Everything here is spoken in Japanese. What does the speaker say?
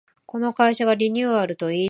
この会社がリニューアルと言いだす時は改悪